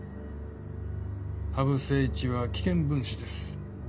羽生誠一は危険分子です。